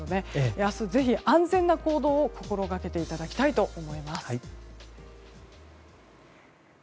明日、安全な行動を心がけていただきたいと思います。